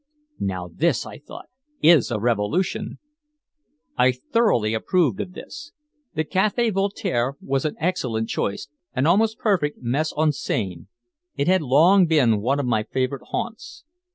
"Now, this," I thought, "is a revolution!" I thoroughly approved of this. The Café Voltaire was an excellent choice, an almost perfect mise en scène. It had long been one of my favorite haunts.